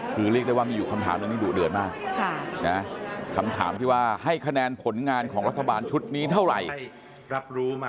คือเรียกได้ว่ามีอยู่คำถามเรื่องนี้ดุเดือดมากคำถามที่ว่าให้คะแนนผลงานของรัฐบาลชุดนี้เท่าไหร่รับรู้มา